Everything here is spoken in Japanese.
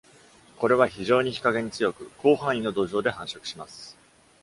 これは非常に日陰に強く、広範囲の土壌で繁殖します。